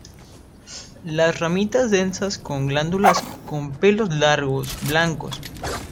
Las ramitas densas con glándulas con pelos largos, blancos.